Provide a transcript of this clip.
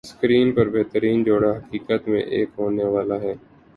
screen پر بہترین جوڑا حقیقت میں ایک ہونے والا ہے